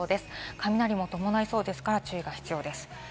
雷を伴いそうですから、注意が必要です。